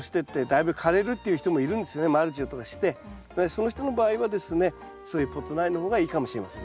その人の場合はですねそういうポット苗の方がいいかもしれません。